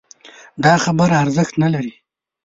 دا خبره ارزښت نه لري